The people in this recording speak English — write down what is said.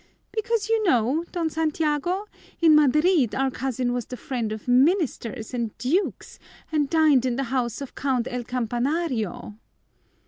Because, you know, Don Santiago, in Madrid our cousin was the friend of ministers and dukes and dined in the house of Count El Campanario."